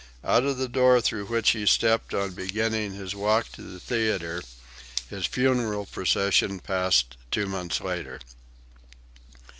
Out of the door through which he stepped on beginning his walk to the theatre his funeral procession passed two months later.)